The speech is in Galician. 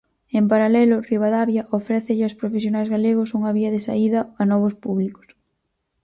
En paralelo, Ribadavia ofrécelle aos profesionais galegos unha vía de saída a novos públicos.